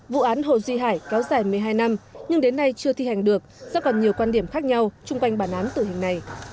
vụ án hồ duy hải kéo dài một mươi hai năm nhưng đến nay chưa thi hành được do còn nhiều quan điểm khác nhau chung quanh bản án tử hình này